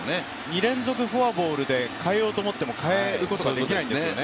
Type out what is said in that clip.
２連続フォアボールで代えようと思っても代えることができないんですよね。